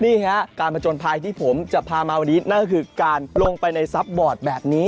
นี่ฮะการผจญภัยที่ผมจะพามาวันนี้นั่นก็คือการลงไปในซับบอร์ดแบบนี้